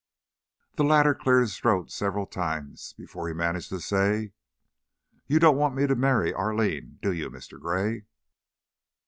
The latter cleared his throat several times before he managed to say, "You don't want me to marry Arline, do you, Mr. Gray?"